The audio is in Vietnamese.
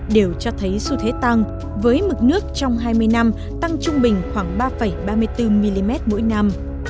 đều cho thấy xu thế tăng với mực nước trong hai mươi năm tăng trung bình khoảng ba ba mươi bốn mm mỗi năm